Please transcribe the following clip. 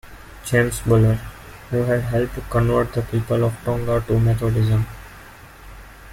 James Buller, who had helped convert the people of Tonga to Methodism.